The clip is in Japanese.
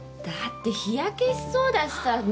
だって日焼けしそうだしさ。